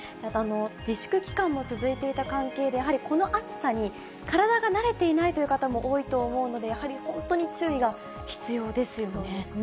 自粛期間も続いていた関係で、やはりこの暑さに、体が慣れていないという方も多いと思うので、そうですね。